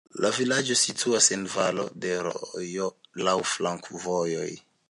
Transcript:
La vilaĝo situas en valo de rojo, laŭ flankovojoj.